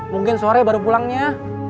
mungkin sore baru pulangnya